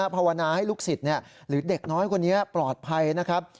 ภาวนาให้ลูกศิษย์หรือเด็กน้อยคนนี้ปลอดภัยนะครับ